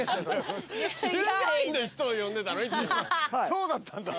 そうだったんだ。